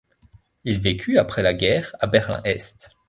Il vécut après la guerre à Berlin-Est.